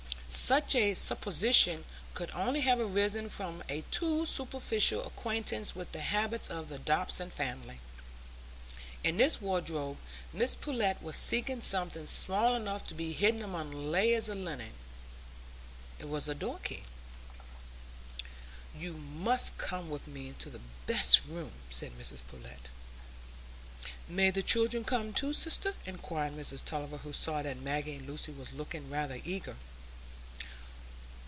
Such a supposition could only have arisen from a too superficial acquaintance with the habits of the Dodson family. In this wardrobe Mrs Pullet was seeking something small enough to be hidden among layers of linen,—it was a door key. "You must come with me into the best room," said Mrs Pullet. "May the children come too, sister?" inquired Mrs Tulliver, who saw that Maggie and Lucy were looking rather eager.